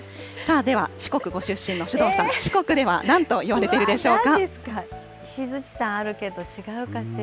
では、四国ご出身の首藤さん、四国ではなんと呼んでいるでしょうか。